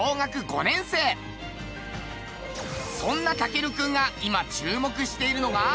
そんな丈琉君が今注目しているのが。